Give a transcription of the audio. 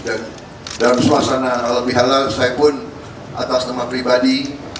dan dalam suasana lebih halal saya pun atas nama pribadi